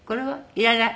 「いらない」。